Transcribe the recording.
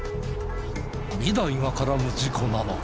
２台が絡む事故なのか？